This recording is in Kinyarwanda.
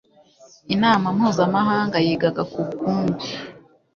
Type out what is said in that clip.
inama mpuzamahanga yigaga ku bukungu